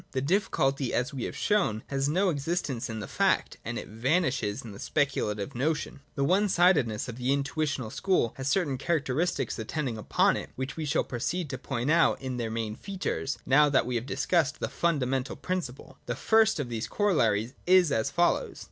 The difficulty, as we have shown, has no existence in the fact, and it vanishes in the speculative notion. 71.] The one sidedness of the intuitional school has 134 THIRD ATTITUDE TO OBJECTIVITY. [71. certain characteristics attending upon it, which we shall proceed to point out in their main features, now that we have discussed the fundamental principle. The first of these corollaries is as follows.